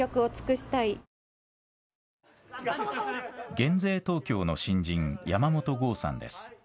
減税とうきょうの新人、山本剛さんです。